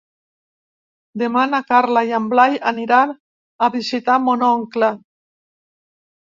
Demà na Carla i en Blai aniran a visitar mon oncle.